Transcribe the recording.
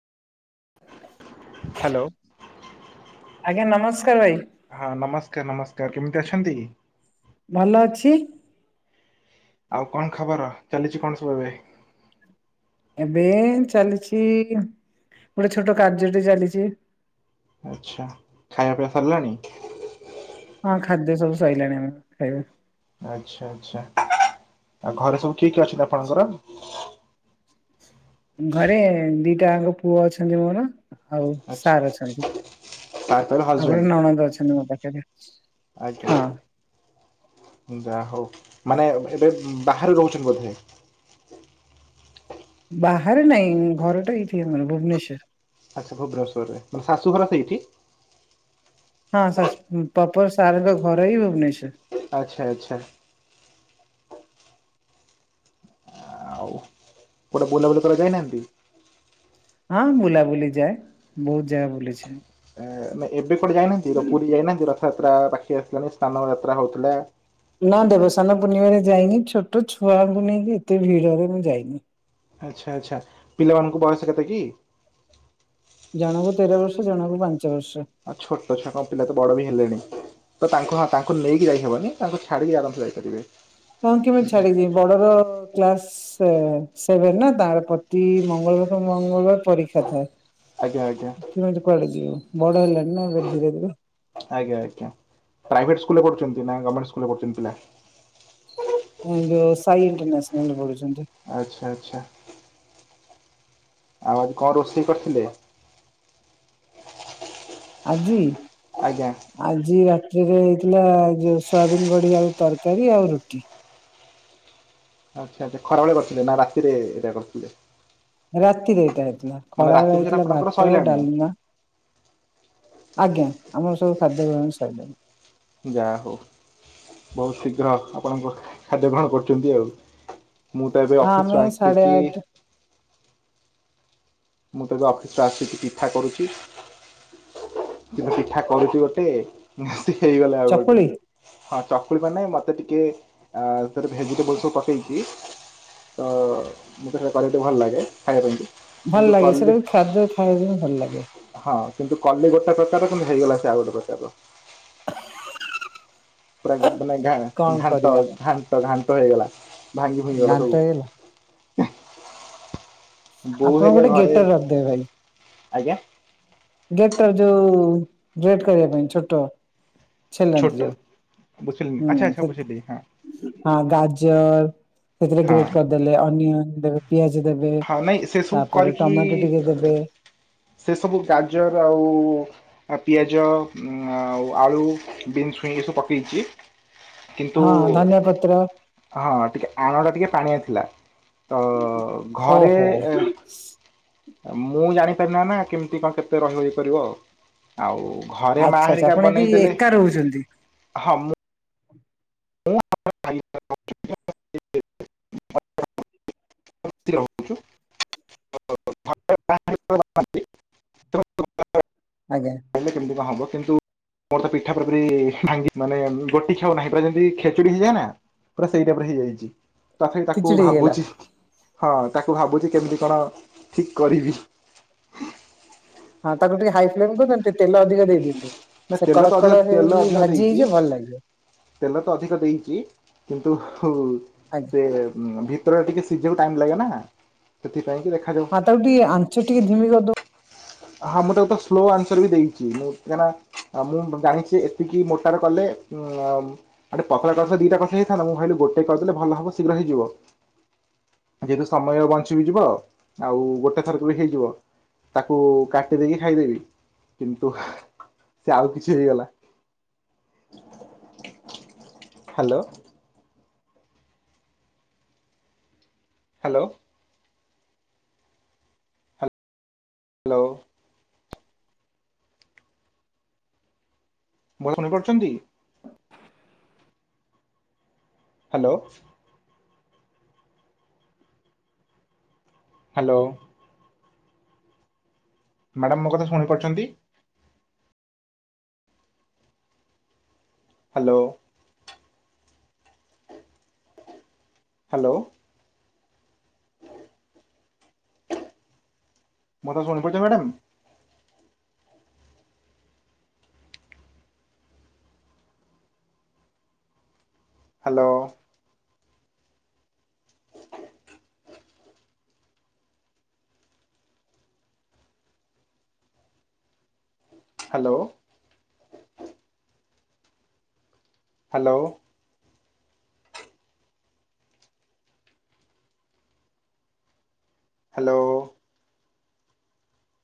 ହ [unintelligible] ହ୍ୟାଲୋ ଆଜ୍ଞା ନମସ୍କାର ଭାଇ। ହଁ ନମସ୍କାର ନମସ୍କାର କେମିତି ଅଛନ୍ତି। ଭଲ ଅଛି। ଆଉ କଣ ଖବର ଚାଲିଛି କଣ ସବୁ ଏବେ। ଏବେ ଚାଲିଛି ଗୋଟେ ଛୋଟ କାର୍ଯ୍ୟଟି ଚାଲିଛି। ଆଚ୍ଛା ଖାଇବା ପିଇଆ ସାରିଲାଣି। ହଁ ଖାଦ୍ୟ ସବୁ ସରିଲାଣି ଆମେ ଖାଇବା। ଆଚ୍ଛା ଆଚ୍ଛା ଆଉ ଘରେ ସବୁ କିଏ କିଏ ଅଛନ୍ତି ଆପଣଙ୍କର? ଘରେ ଦିଟାଙ୍କ ପୁଅ ଅଛନ୍ତି ମୋର। ହଉ ଆଚ୍ଛା ସାର୍ ଅଛନ୍ତି ତାର ତାର ଆଉ ହଜବେଣ୍ଡ ଗୋଟେ ନନନ୍ଦ ଅଛନ୍ତି ମୋ ପାଖରେ? ଆଜ୍ଞା ହଁ ଯା ହଉ ମାନେ ଏବେ ବାହାରୁ ରହୁଛନ୍ତି ବୋଧେ? ବାହାରେ ନାଇଁ ଘରଟା ଏଇଠି ଆମର ଭୁବନେଶ୍ଵର। ଆଚ୍ଛା ଭବେଶ୍ୱରରେ ମାନେ ଶାଶୁଘର ସେଇଠି। ହଁ ସ ପପ ସାର୍ଙ୍କ ଘର ହ ଭୁବନେଶ୍ୱର। ଆଚ୍ଛା ଆଚ୍ଛା। ଗୋଟେ ବୁଲାବୁଲି କରିଯାଇନାହାନ୍ତି। ହଁ ବୁଲାବୁଲି ଯାଏ ବହୁତ ଜାଗା ବୁଲିଛି। ନାଇଁ ଏବେ କଣ ଯାଇନାହାନ୍ତି ତ ପୁରୀ ଯାଇନାହାନ୍ତି ରଥଯାତ୍ରା ପାଖି ଆସିଲାାନି ସ୍ନାନ ଯାତ୍ରା ହେଉଥିଲା। ନା ଦେବସାନ ପୂର୍ଣ୍ଣିମାରେ ଯାଇନି ଛୋଟ ଛୁଆଙ୍କୁ ନେଇକି ଏତେ ଭିଡ ରେ ମୁଁ ଯାଇନି? ଆଚ୍ଛା ଆଚ୍ଛା ପିଲାମାନଙ୍କୁ ବୟସ କେତେ କି? ଜଣକୁ ତେର ବର୍ଷ ଜଣଙ୍କୁ ପାଞ୍ଚ ବର୍ଷ। ଆଉ ଛୋଟ ଛଆ କ ପିଲା ତ ବଡ ବି ହେଲେଣି। ତ ତାଙ୍କୁ ହଁ ତାଙ୍କୁ ନେଇକି ଯାଇହବନି ତାଙ୍କୁ ଛାଡିକି ଆରାମସେ ଯାଇପାରିବେ। ହଁ କେମିତି ଛାଡିବି ବଡର କ୍ଲାସ ସେ ସେଭେନ ନା ତାର ପତି ମଙ୍ଗଳବାର ମଙ୍ଗଳବାର ପରୀକ୍ଷା ଥାଏ। ଆଜ୍ଞା ଆଜ୍ଞା। [unintelligible] ଆଜ୍ଞା ଆଜ୍ଞା ପ୍ରାଇଭେଟ୍ ସ୍କୁଲ୍ ରେ ପଢୁଛନ୍ତି ନା ଗମେଣ୍ଟ ସ୍କୁଲ ରେ ପଢୁଛନ୍ତି ପିଲା? ସାଇ ଇଣ୍ଟରନ୍ୟାସନାଲ ପଡ଼ୁଛନ୍ତି। ଆଚ୍ଛା ଆଚ୍ଛା। ଆଉ ଆଜି କଣ ରୋଷେଇ କରିଥିଲେ? ଆଜି? ଆଜ୍ଞା। ଆଜି ରାତିରେ ହେଇଥିଲା ଯୋଉ ସୋୟାବିନ୍ ବଡି ଆଳୁ ତରକାରୀ ଆଉ ରୁଟି। ଆଚ୍ଛା ଆଚ୍ଛା ଖରାବେଳେ କରିଥିଲେ ନା ରାତିରେ ଏଇଟା କରିଥିଲେ। ରାତିରେ ଏଇଟା ହେଇଥିଲା ମାନେ ରାତି ଖରାବେଳେ ଭୋଜନ ହେଇଥିଲା ଆପଣଙ୍କର ଭାତ, ସଇଲାଣି? ଡାଲମାଆ ଆଜ୍ଞା ଆମର ସବୁ ଖାଦ୍ୟ ଗ୍ରହଣ ସଇଲାଣି। ଯାହା ହଉ ବହୁତ ଶୀଘ୍ର ଆପଣଙ୍କ ଖାଦ୍ୟ ଗ୍ରହଣ କରୁଛନ୍ତି ଆଉ। ମୁଁ ତ ଏବେ ହଁ ଆମେ ଅଫିସରୁୁ ଆସି ସାଢେ କି ଆଠ ମୁଁ ତବେ ଅଫିସ ରୁ ଆସିକି ପୀଠ କରୁଛି। କିନ୍ତୁ ପିଠା କରୁଛି ଗୋଟେ ନାସି ହେଇଗଲା ଆଉ ଗୋଟେ। ଚକୁଳି ହଁ ଚକୁଲ ମାନେ ମତେ ଟିକେ ଅ ଭେଜିଟେବୁଲ୍ ସବୁ ପକେଇଛି ତ ମତ ସେଇଟା କେ ଭଲ ଲାଗେ ଖାଇବାରନ୍ତି। ଭଲ ଲାଗେ ସେଇଟା ବି ଖାଦ୍ୟ ଖାଇବା ବି ଭଲ ଲାଗେ। ହଁ କିନ୍ତୁ କଲେ ଗୋଟେ ପ୍ରକାର କିନ୍ତୁ ହେଇଗଲା ସେ ଆଉ ଗୋଟେ ପ୍ରକାର। ପୁରା ବେସନ ଘା କଣ ଘାଣ୍ଟ କରିବା ଘାଣ୍ଟ ଘାଣ୍ଟ ହେଇଗଲା। ଭାଙ୍ଗି ଭୁଙ୍ଗିଗଲା ଘାଣ୍ଟ ହେଇଗଲା ସବୁ। ବୋଉ ଆପଣ ହେରିଆ ଗୋଟେ ଘରେ ଗେଟର ରଖିଦେବେ ଆଜ୍ଞା ଗେଟ ଟା ଯୋଉ ଗେଟ କରିବା ପାଇଁ ଛୋଟ ଛୋଟ ଛେଲନ୍ତି ଯୋଉ। ବୁଝିଲିନି ହୁଁ ଆଚ୍ଛା ଆଚ୍ଛା ସେ ବୁଝିଲି ହଁ ହଁ ଗାଜର ସେଥିରେ ହଁ ଗ୍ରେଟ ଦେଲେ ଅନିଅନ ଦେବେ ପିଆଜ ଦେବେ ହଁ ନାଇଁ ସେ ସବୁ ତାପରେ କରିକି ଟମାଟୋ ଟିକେ ଦେବେ। ସେ ସବୁ ଗାଜର ଆଉ ଆ ପିଆଜ ଆଉ ଆଳୁ ବିନ୍ସ ଛୁଇଁ ଏ ସବୁ ପକେଇଛି। କିନ୍ତୁ ହଁ ଧନିଆ ପତ୍ର ହଁ ଟିକେ ଆଣଟା ଟିକେ ପାଣିଆ ଥିଲା ତ ଘରେ ଓହୋ। ଏ, ମୁଁ ଜାଣିପାରି ନାଁ ନା କେମିତି କଣ କେତେ ରହିବପାରିବ ଆଉ। ଆଉ ଘରେ ଆଚ୍ଛା ଆଚ୍ଛା ମାହାରିକା ଆପଣ ଏଠି ବନେଇଦେଲେ ଏକା ରହୁଛନ୍ତି ହଁ ମୁଁ [inaudible] [unintelligible] [unintelligible] ଆଜ୍ଞା। କଲେ କେମିତି କଣ ହବ କିନ୍ତୁ ମୋର ତ ପିଠା ପ ଭାଙ୍ଗି ମାନେ ଗୋ ଖୋଉ ନାହିଁ ପୁରା ଯେମିତି ଖେଚୁଡି ହେଇଯାଏ ନା ପୁରା ସେଇଟାପରେ ହେଇଯାଇଛି। ତଥାପି ତାକୁ ଖିଚୁଡି ହେଇଗଲା ଭାବୁଛି ହଁ ତାକୁ ଭାବୁଛି କେମିତି କଣ ଠିକ କରିବି। ହଁ ତାକୁ ଟିକେ ହାଇ ଫ୍ଲେମ୍ କରନ୍ତୁ ଟିକେ ତେଲ ଅଧିକ ଦେଇଦିଅନ୍ତୁ। ନା ସେ ତେଲ ତ କଡ଼ ଅଧିକ କଡ ତେଲ ହେଇକି ଅଧିକ ଭାଜି ଦେଇଛି ହେଇଯିବ ଭଲ ଲାଗିବ। ତେଲ ତ ଅଧିକ ଦେଇଚି। କିନ୍ତୁ ଆଜ୍ଞା। ଦେ ଭିତରେ ଟିକେ ସିଝିବାକୁ ଟାଇ ଲାଗେ ନା। ସେଥିପାଇଁ ଦେ ହଁ ତାକୁ ଟିକେ ଆଞ୍ଚ ଟିକେ ଧିମି କରଦଉନୁ। ହଁ ମୁଁ ତାକୁ ତ ସ୍ଲୋ ଆନ୍ସର ବି ଦେଇଚି। ମୁଁ କାହିଁକିନା ଆ ମୁଁ ଜାଣିଚି ଏତିକି ମୋଟାରେ କଲେ ଉଆମ। ଆ ଟିକେ ପତଳା କସ ଦିଟା କଥା ହେଇଥାନ୍ ମୁଁ କହିଲ ଗୋଟେ କହିଦେଲେଲବ ଶୀଘ ହେଇଯିବ। ଯେହେତୁ ସମୟ ବଞ୍ଚିିକି ଯିବ ଆଉ ଗୋଟେ ଥରକ ବି ହେଇଯିବ। କୁ କାଟି ଦେଇକି ଖାଇଦେବି। କିନ୍ତୁ ସେ ଆଉ କିଛି ହେଇଗଲା। ହାଲୋ। ହାଲୋ। ହାଲୋ। ଭଲସେ ନଇଁପାରୁୁଚନ୍ତି? ହାଲୋ। ହାଲୋ। ମାଡ଼ାମ ମୋ କଥା ଶୁଣିପାରୁଚନ୍ତି? ହାଲୋ। ହାଲୋ। ମତେ ଶୁଣିରୁଚ madam? Hello. Hello. Hello hello.